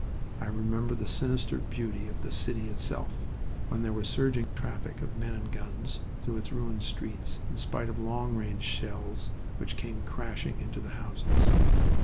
I remember the sinister beauty of the city itself, when there was a surging traffic of men and guns through its ruined streets in spite of long range shells which came crashing into the houses.